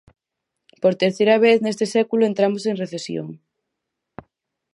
Por terceira vez neste século entramos en recesión.